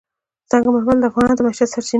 سنگ مرمر د افغانانو د معیشت سرچینه ده.